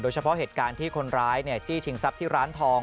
เฉพาะเหตุการณ์ที่คนร้ายจี้ชิงทรัพย์ที่ร้านทอง